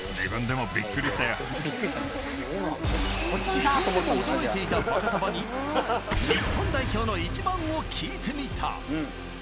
自分でも驚いていたファカタヴァに日本代表のイチバンを聞いてみた。